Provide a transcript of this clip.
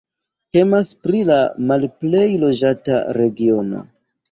Temas pri la malplej loĝata regiono.